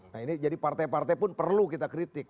nah ini jadi partai partai pun perlu kita kritik